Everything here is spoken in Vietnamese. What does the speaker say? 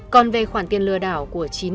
còn về khoản tiền lừa đảo của chín